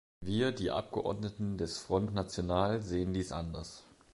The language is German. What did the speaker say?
Wir, die Abgeordneten des Front national, sehen dies anders.